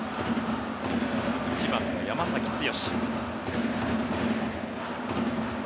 １番の山崎剛。